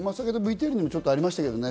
ＶＴＲにもありましたよね。